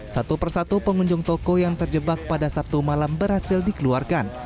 satu persatu pengunjung toko yang terjebak pada sabtu malam berhasil dikeluarkan